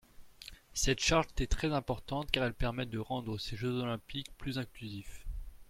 Cette charte est très importante, car elle permet de rendre ces Jeux olympiques plus inclusifs.